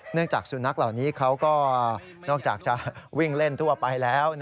จากสุนัขเหล่านี้เขาก็นอกจากจะวิ่งเล่นทั่วไปแล้ว